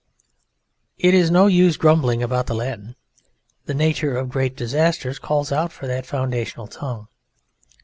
... It is no use grumbling about the Latin. The nature of great disasters calls out for that foundational tongue.